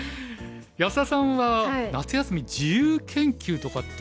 安田さんは夏休み自由研究とかって？